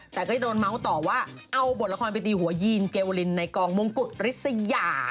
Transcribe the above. แต่ก็จะโดนเมาส์ต่อว่าเอาบทละครไปตีหัวยีนเกวลินในกองมงกุฎฤษยา